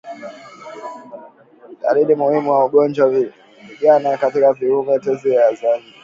Dalili muhimu ya ugonjwa wa ndigana kali ni kuvimba tezi za nje